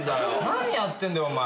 何やってんだよお前。